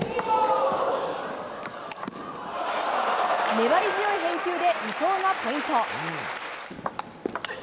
粘り強い返球で伊藤がポイント。